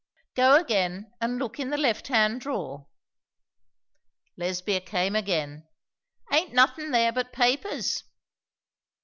"Go again and look in the left hand drawer." Lesbia came again. "Aint nothin' there but papers."